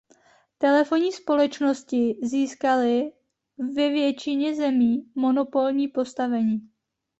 Telefonní společnosti získaly v většině zemí monopolní postavení.